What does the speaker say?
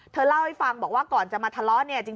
เล่าให้ฟังบอกว่าก่อนจะมาทะเลาะเนี่ย